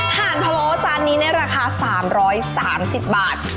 ถ่านพะโล้จานนี้ในราคา๓๓๐บาท